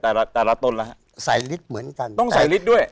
แต่ละแต่ละตนแล้วฮะใส่ฤทธิ์เหมือนกันต้องใส่ลิตรด้วย